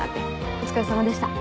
お疲れさまでした。